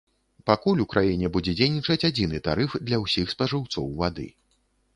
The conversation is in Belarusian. Пакуль у краіне будзе дзейнічаць адзіны тарыф для ўсіх спажыўцоў вады.